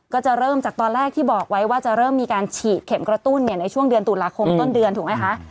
ก็จะเริ่มจากตอนแรกที่บอกไว้ว่าจะเริ่มมีการฉีดเข็มกระตุ้นในช่วงเดือนตุลาคมต้นเดือนถูกไหมคะ